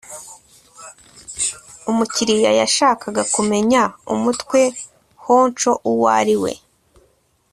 umukiriya yashakaga kumenya umutwe honcho uwo ari we